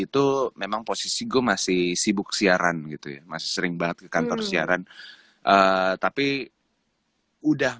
itu memang posisi gue masih sibuk siaran gitu ya masih sering banget ke kantor siaran tapi udah